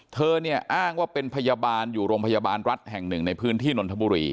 เธอเนี่ยอ้างว่าเป็นพยาบาลอยู่โรงพยาบาลรัฐแห่งหนึ่งในพื้นที่นนทบุรี